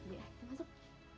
ya kita masuk